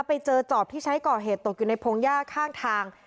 ไปเจอจอบที่ใช้ก่อเหตุตกอยู่ในพงหญ้าข้างทาง